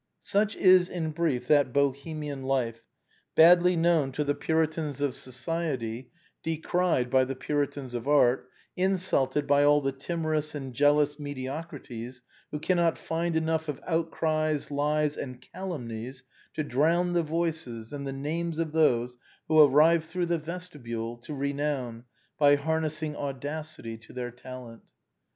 Such is in brief that Bohemian life, badly known to the puritans of socity, decried by the puritans of art, in sulted by all the timorous and jealous mediocrities who cannot find enough of outcries, lies, and calumnies to Xliv ORIGINAL PREFACE. drown the voices and the names of those who arrive through the vestibule to renown by harnessing audacity to their talent.